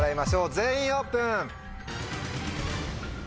全員オープン。